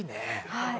はい。